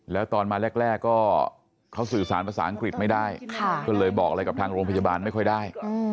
แล้วตอนมาแรกก็เขาสื่อสารภาษาอังกฤษไม่ได้ก็เลยบอกอะไรกับทางโรงพยาบาลไม่ค่อยได้